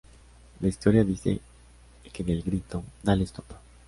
La historia dice que del grito ""¡Dale estopa!